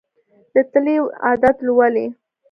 د تلې عدد لولي.